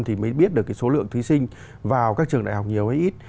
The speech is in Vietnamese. thì mới biết được cái số lượng thí sinh vào các trường đại học nhiều ấy ít